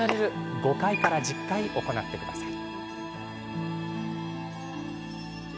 ５回から１０回行ってください。